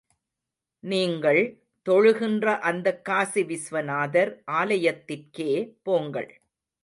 நீங்கள் தொழுகின்ற அந்தக் காசி விஸ்வநாதர் ஆலயத்திற்கே போங்கள்.